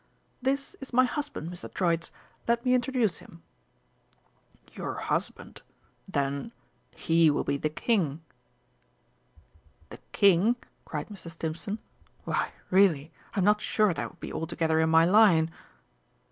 "This is my husband, Mr. Troitz let me introduce him." "Your husband. Then, he will be the King!" "The King?" cried Mr. Stimpson, "why, really, I'm not sure that would be altogether in my line."